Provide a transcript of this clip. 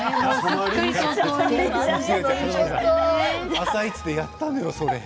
「あさイチ」でやったのよ。